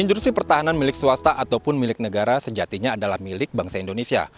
instruksi pertahanan milik swasta ataupun milik negara sejatinya adalah milik bangsa indonesia